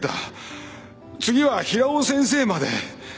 次は平尾先生まで。